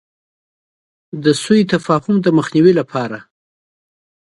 د سو تفاهم د مخنیوي لپاره.